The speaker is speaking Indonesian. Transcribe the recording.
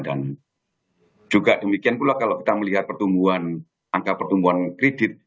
dan juga demikian pula kalau kita melihat pertumbuhan angka pertumbuhan kredit